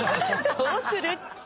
どうする？